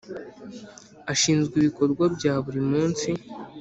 Ashinzwe ibikorwa bya buri munsi